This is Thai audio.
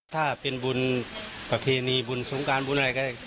ถ้าเป็นบุญประเพณีบุญสงการบุญอะไรก็ได้